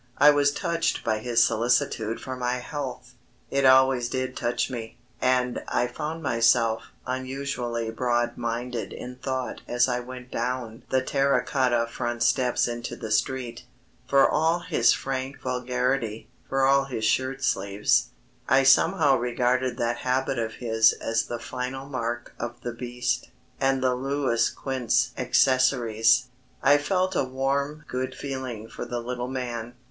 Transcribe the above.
I was touched by his solicitude for my health. It always did touch me, and I found myself unusually broad minded in thought as I went down the terra cotta front steps into the streets. For all his frank vulgarity, for all his shirt sleeves I somehow regarded that habit of his as the final mark of the Beast and the Louis Quinze accessories, I felt a warm good feeling for the little man.